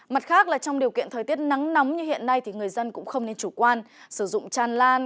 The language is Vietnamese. mặt khác là trong điều kiện thời tiết nắng nóng như hiện nay thì người dân cũng không nên chủ quan sử dụng tràn lan